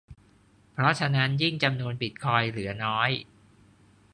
เพราะฉะนั้นยิ่งจำนวนบิตคอยน์เหลือน้อย